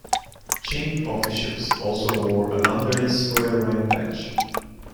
Qing officials also wore a mandarin square rank badge.